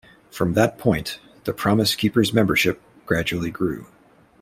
From that point, the Promise Keepers' membership gradually grew.